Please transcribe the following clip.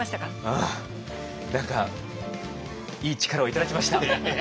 ああ何かいい力を頂きました。